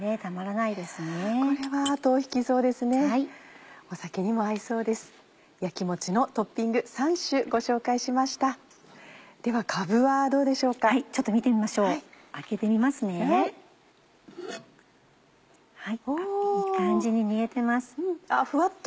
いい感じに煮えてます。